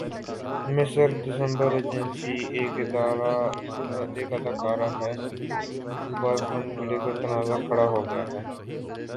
مصر دسمبرایجنسی ایک اداکارہ کے بوائے فرینڈ کو لیکر تنازعہ کھڑا ہو گیا ہے